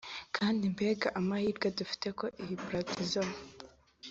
kandi mbega amahirwe dufite ko iyi paradizo,